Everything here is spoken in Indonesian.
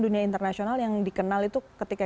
dunia internasional yang dikenal itu ketika